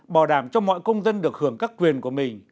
bảo đảm cho mọi công dân được hưởng các quyền của mình